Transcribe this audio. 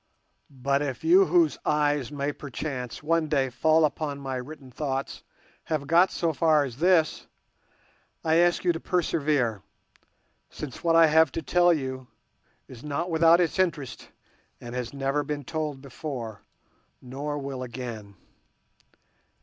But if you whose eyes may perchance one day fall upon my written thoughts have got so far as this, I ask you to persevere, since what I have to tell you is not without its interest, and it has never been told before, nor will again.